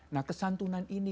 nah kesantunan ini